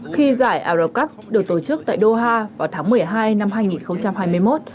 khi giải arokub được tổ chức tại doha vào tháng một mươi hai năm hai nghìn hai mươi một